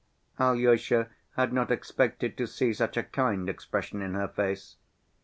Alyosha had not expected to see such a kind expression in her face....